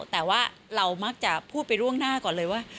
แต่ว่าเรามักจะพูดไปล่วงหน้าก่อนเลยว่า